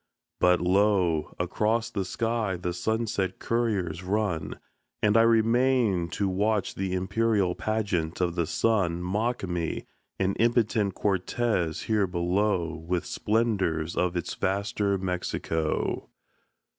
But lo, Across the sky the sunset couriers run, And I remain To watch the imperial pageant of the Sun Mock me, an impotent Cortez here below, With splendors of its vaster Mexico.